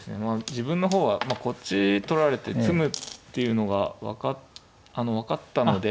自分の方はこっち取られて詰むっていうのが分かったので。